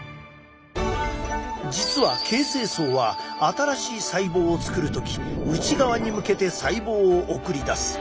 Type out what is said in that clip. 実は形成層は新しい細胞を作る時内側に向けて細胞を送り出す。